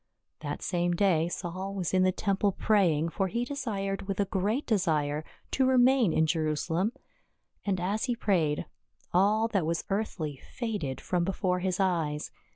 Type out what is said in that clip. That same day Saul was in the temple praying, for he desired with a great desire to remain in Jerusalem. And as he prayed, all that was earthly faded from be fore his eyes.